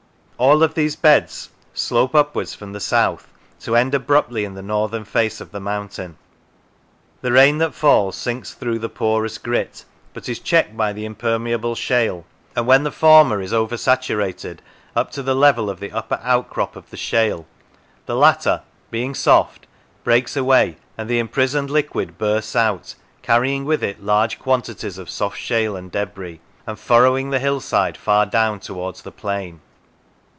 All of these beds slope upwards from the south to end abruptly in the northern face of the mountain. The rain that falls sinks through the porous grit, but is checked by the impermeable shale, and when the former is over saturated up to the level of the upper outcrop of the shale, the latter, being soft, breaks away, and the imprisoned liquid bursts out, carrying with it large quantities of soft shale and debris, and furrowing the hillside far down towards the plain.